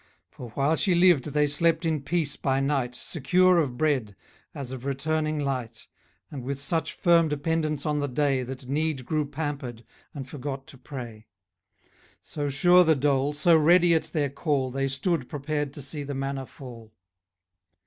For, while she lived, they slept in peace by night, Secure of bread, as of returning light, And with such firm dependence on the day, That need grew pampered, and forgot to pray; So sure the dole, so ready at their call, They stood prepared to see the manna fall.